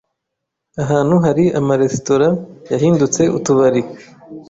“Ahantu hari amaresitora yahindutse utubari,